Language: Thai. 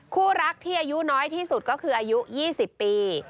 คู่รักที่อายุน้อยที่สุดก็คืออายุ๒๐ปี